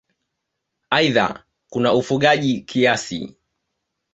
Aidha kuna ufugaji kiasi.